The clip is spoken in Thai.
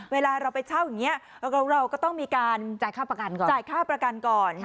เวลาเราไปเช่าอย่างเงี้ยเราก็ต้องมีการจ่ายค่าประกันก่อน